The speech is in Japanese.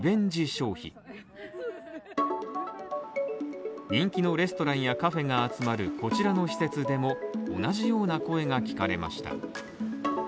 消費人気のレストランやカフェが集まるこちらの施設でも同じような声が聞かれました。